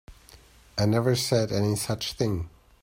I never said any such thing.